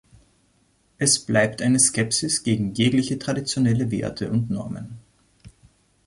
Es bleibt eine Skepsis gegen jegliche traditionelle Werte und Normen.